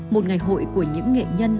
một ngày hội của những nghệ nhân